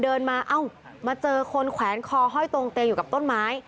เดินมาเอ้ามาเจอคนแขวนคอห้อยตรงเตียงอยู่กับต้นไม้